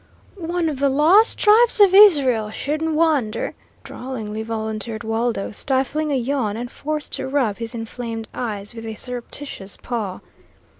"One of the Lost Tribes of Israel, shouldn't wonder," drawlingly volunteered Waldo, stifling a yawn, and forced to rub his inflamed eyes with a surreptitious paw.